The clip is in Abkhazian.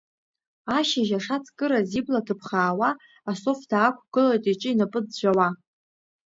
Ашьыжь ашацкыраз ибла ҭыԥхаауа, асоф даақәгылоит иҿы-инапы ӡәӡәауа.